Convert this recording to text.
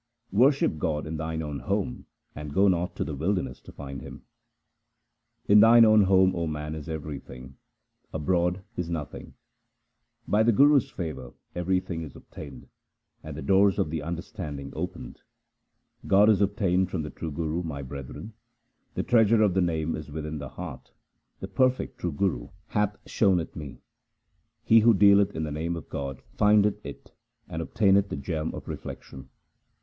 Worship God in thine own home and go not to the wilderness to find Him :— In thine own home, O man, is everything ; abroad is nothing. By the Guru's favour everything is obtained, and the doors of the understanding opened. God is obtained from the true Guru, my brethren. The treasure of the Name is within the heart ; the perfect true Guru hath shown it me. He who dealeth in the name of God findeth it, and ob taineth the gem of reflection.